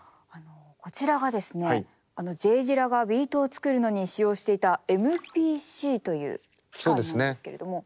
こちらがですねＪ・ディラがビートを作るのに使用していたＭＰＣという機械なんですけれども。